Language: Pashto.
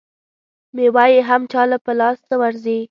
مېوه یې هم چا له په لاس نه ورځي.